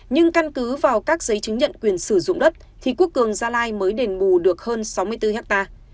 nhưng căn cứ vào các giấy chứng nhận quyền sử dụng đất thì quốc cường gia lai mới đền bù được hơn sáu mươi bốn ha